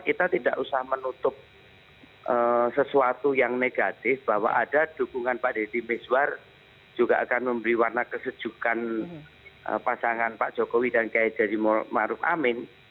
kita tidak usah menutup sesuatu yang negatif bahwa ada dukungan pak deddy miswar juga akan memberi warna kesejukan pasangan pak jokowi dan kiai jadi maruf amin